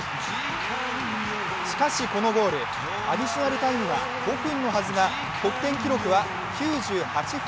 しかしこのゴール、アディショナルタイムが５分のはずが得点記録は９８分。